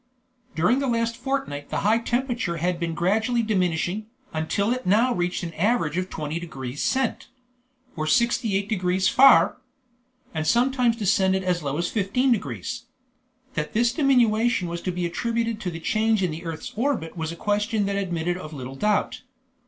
During the last fortnight the high temperature had been gradually diminishing, until it now reached an average of 20 degrees Cent. (or 68 degrees Fahr.), and sometimes descended as low as 15 degrees. That this diminution was to be attributed to the change in the earth's orbit was a question that admitted of little doubt.